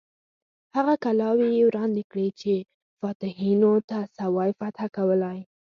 هغه کلاوې یې ورانې کړې چې فاتحینو نه سوای فتح کولای.